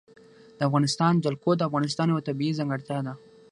د افغانستان جلکو د افغانستان یوه طبیعي ځانګړتیا ده.